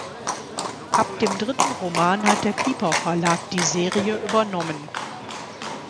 Ab dem dritten Roman hat der Piper-Verlag die Serie übernommen.